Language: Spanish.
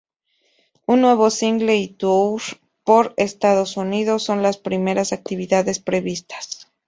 Un nuevo single y un tour por Estados Unidos son las primera actividades previstas.